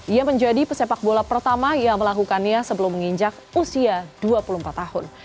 ia menjadi pesepak bola pertama yang melakukannya sebelum menginjak usia dua puluh empat tahun